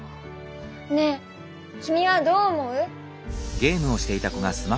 ねえ君はどう思う？